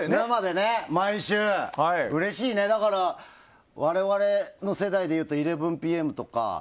生でね、毎週、うれしいね、だからわれわれの世代で言うと１１ＰＭとか。